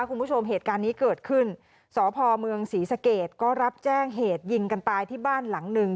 คุณผู้ชมเหตุการณ์นี้เกิดขึ้นสพเมืองศรีสะเกดก็รับแจ้งเหตุยิงกันตายที่บ้านหลังหนึ่ง